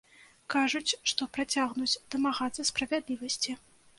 Кажуць, што працягнуць дамагацца справядлівасці.